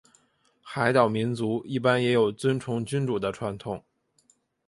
海岛民族一般也有尊崇君主的传统。